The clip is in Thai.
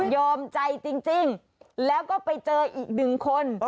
ใจจริงแล้วก็ไปเจออีกหนึ่งคน